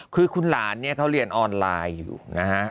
คือคุณหลานเนี่ยเขาเรียนออนไลน์อยู่นะฮะ